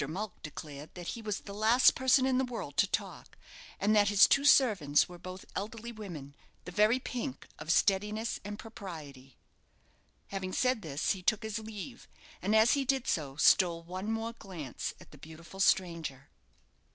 Mulck declared that he was the last person in the world to talk; and that his two servants were both elderly women, the very pink of steadiness and propriety. Having said this, he took his leave; and as he did so, stole one more glance at the beautiful stranger.